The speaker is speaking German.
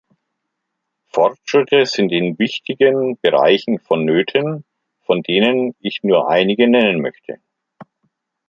Fortschritte sind in wichtigen Bereichen vonnöten, von denen ich nur einige nennen möchte.